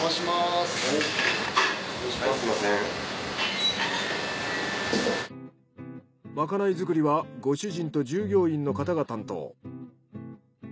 まかない作りはご主人と従業員の方が担当。